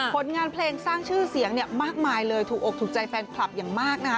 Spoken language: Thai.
ผลงานเพลงสร้างชื่อเสียงเนี่ยมากมายเลยถูกอกถูกใจแฟนคลับอย่างมากนะคะ